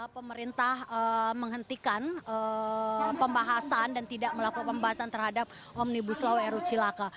pemerintah menghentikan pembahasan dan tidak melakukan pembahasan terhadap omnibus law ru cilaka